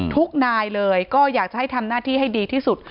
นายเลยก็อยากจะให้ทำหน้าที่ให้ดีที่สุด